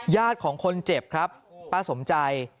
ของคนเจ็บครับป้าสมใจ